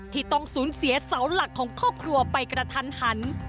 ที่ต้องสูญเสียเสาหลักของครอบครัวไปกระทันหัน